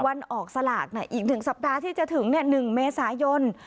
วันออกสลากอีก๑สัปดาห์ที่จะถึง๑เมษายน